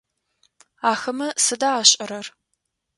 Ахэмэ сыда ашӏэрэр?